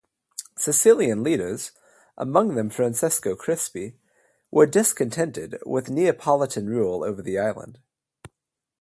Sicilian leaders, among them Francesco Crispi, were discontented with Neapolitan rule over the island.